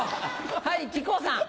はい木久扇さん。